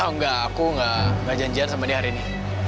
enggak aku nggak janjian sama dia hari ini